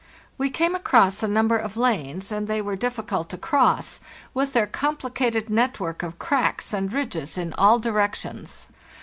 We came across a number of lanes, and they were diffh cult to cross, with their complicated net work of cracks and ridges in all directions.